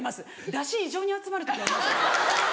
出汁異常に集まる時ありますよね。